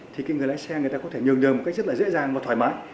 thì cái người lái xe người ta có thể nhường đường một cách rất là dễ dàng và thoải mái